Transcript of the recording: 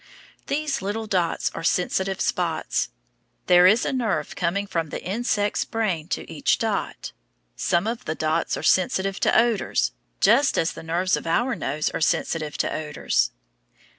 These little dots are sensitive spots. There is a nerve coming from the insect's brain to each dot. Some of the dots are sensitive to odors, just as the nerves of our nose are sensitive to odors.